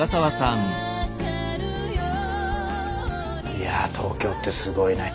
いや東京ってすごいね。